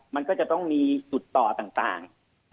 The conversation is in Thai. มันก็จะต้องมีจุดต่อต่าง